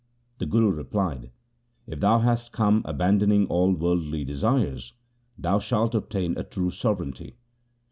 The Guru replied, ' If thou hast come abandoning all worldly desires, thou shalt obtain a true sovereignty.